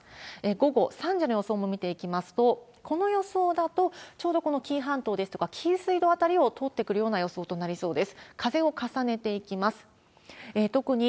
午後３時の予想も見ていきますと、この予想だと、ちょうどこの紀伊半島では紀伊水道辺りを通ってくるような予想となりそうです。